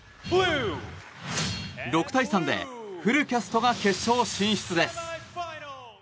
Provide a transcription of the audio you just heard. ６対３でフルキャストが決勝進出です。